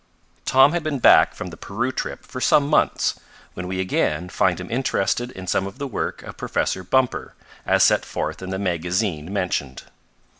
Tom had been back from the Peru trip for some months, when we again find him interested in some of the work of Professor Bumper, as set forth in the magazine mentioned.